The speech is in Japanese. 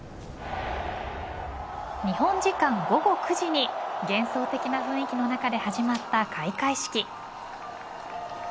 日本時間午後９時に幻想的な雰囲気の中で始まった開会式。